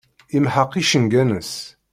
Yemḥeq icenga-nnes.